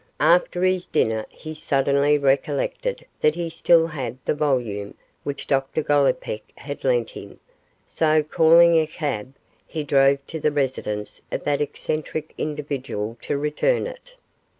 After his dinner he suddenly recollected that he still had the volume which Dr Gollipeck had lent him, so, calling a cab, he drove to the residence of that eccentric individual to return it.